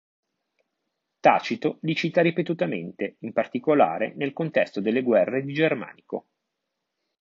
Tacito li cita ripetutamente, in particolare nel contesto delle guerre di Germanico.